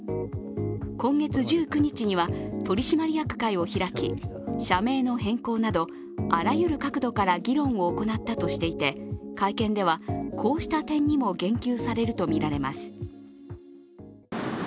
今月１９日には取締役会を開き、社名の変更など、あらゆる角度から議論を行ったとしていて会見ではこうした点にも言及されるとみられます。